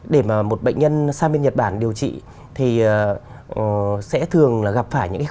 để một bệnh nhân sang bên nhật bản điều trị thì sẽ thường gặp phải những khó khăn